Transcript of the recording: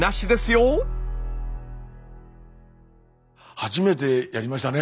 初めてやりましたね